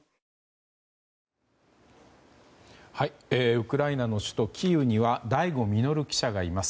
ウクライナの首都キーウには醍醐穣記者がいます。